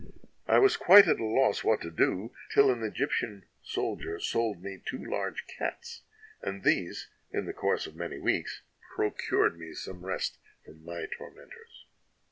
"I was quite at a loss what to do, till an Egyptian soldier sold me two large cats, and these, in the course of many weeks, procured me some rest from my tormen tors.